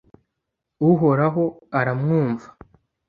uhoraho aramwumva